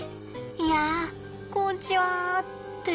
いやこんちはってあれ？